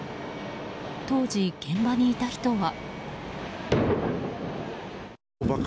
当時、現場にいた人は。